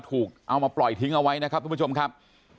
เอามาปล่อยทิ้งเอาไว้นะครับทุกผู้ชมครับ